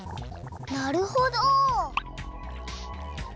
なるほど！